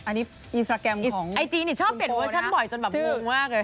อันนี้อินสตราแกรมของคุณโฟร์นะไอจีเนี่ยชอบเปลี่ยนเวอร์ชั่นบ่อยจนแบบมุ่งมากเลย